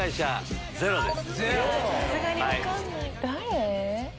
誰？